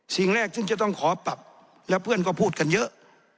สิ่งแรกซึ่งจะต้องขอปรับและเพื่อนก็พูดกันเยอะ